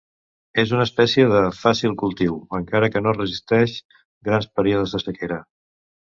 És una espècie de fàcil cultiu, encara que no resisteix grans períodes de sequera.